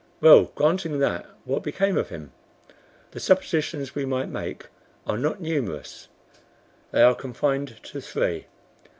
"Well, granting that, what became of him? The suppositions we might make are not numerous. They are confined to three.